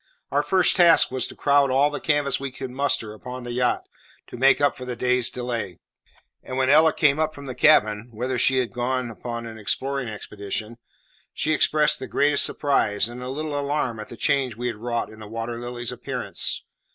Our first task was to crowd all the canvas we could muster upon the yacht, to make up for the day's delay; and when Ella came up from the cabin, whither she had gone upon an exploring expedition, she expressed the greatest surprise and a little alarm at the change we had wrought in the Water Lily's appearance.